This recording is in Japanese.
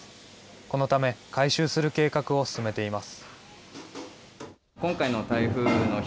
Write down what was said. このため、改修する計画を進めています。